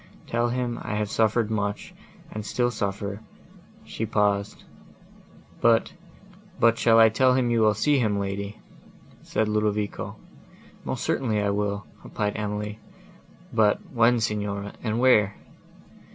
Tell him I have suffered much, and still suffer—" She paused. "But shall I tell him you will see him, lady?" said Ludovico. "Most certainly I will," replied Emily. "But when, Signora, and where?"